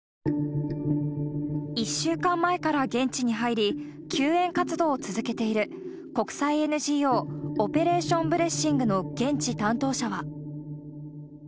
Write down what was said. １週間前から現地に入り、救援活動を続けている国際ＮＧＯ、オペレーション・ブレッシングの現地担当者は。